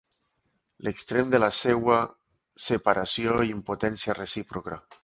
L'extrem de la seua separació i impotència recíproca.